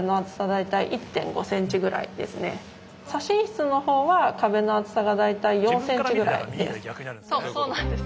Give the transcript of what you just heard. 左心室のほうは壁の厚さが大体４ｃｍぐらいです。